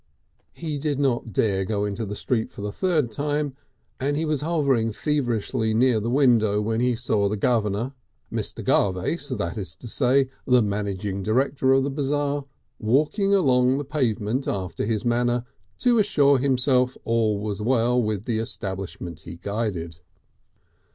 He did not dare go into the street for the third time, and he was hovering feverishly near the window when he saw the governor, Mr. Garvace, that is to say, the managing director of the Bazaar, walking along the pavement after his manner to assure himself all was well with the establishment he guided.